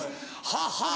はっはぁ。